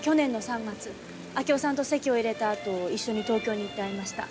明夫さんと籍を入れたあと一緒に東京に行って会いました。